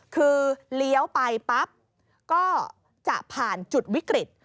คือเลี้ยวไปปั๊บก็จะผ่านจุดวิกฤต